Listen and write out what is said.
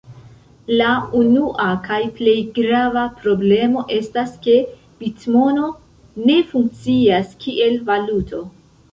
La unua kaj plej grava problemo estas ke bitmono ne funkcias kiel valuto.